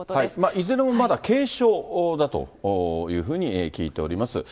いずれもまだ軽症だというふうに聞いております。